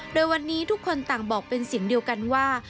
โดยวันนี้ทุกคนต่างบอกเป็นเสียงเดียวกันว่า